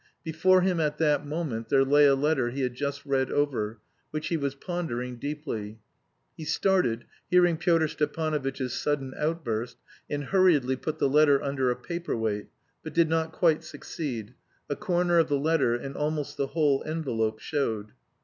Before him, at that moment, there lay a letter he had just read over, which he was pondering deeply. He started, hearing Pyotr Stepanovitch's sudden outburst, and hurriedly put the letter under a paper weight, but did not quite succeed; a corner of the letter and almost the whole envelope showed.